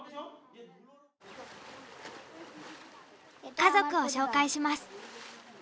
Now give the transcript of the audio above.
家族を紹介します。